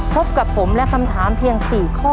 พบกับผมและคำถามเพียง๔ข้อ